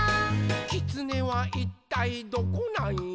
「きつねはいったいどこなんよ？」